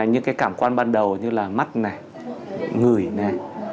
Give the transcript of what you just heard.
như cái cảm quan ban đầu như là mắt này người này